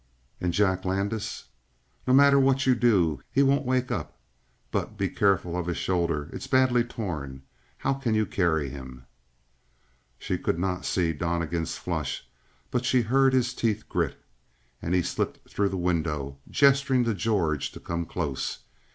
"And Jack Landis?" "No matter what you do, he won't wake up; but be careful of his shoulder. It's badly torn. How can you carry him?" She could not see Donnegan's flush, but she heard his teeth grit. And he slipped through the window, gesturing to George to come close.